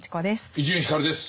伊集院光です。